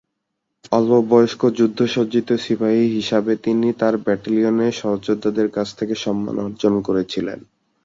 অল্প বয়স্ক, যুদ্ধ-সজ্জিত সিপাহী হিসাবে, তিনি তাঁর ব্যাটালিয়নে সহযোদ্ধাদের কাছ থেকে সম্মান অর্জন করেছিলেন।